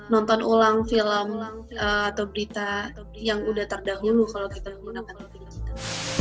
nonton ulang film atau berita yang udah terdahulu kalau kita menggunakan tv digital